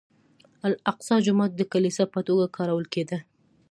الاقصی جومات د کلیسا په توګه کارول کېده.